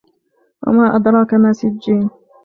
وما أدراك ما سجين